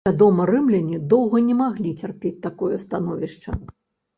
Вядома, рымляне доўга не маглі цярпець такое становішча.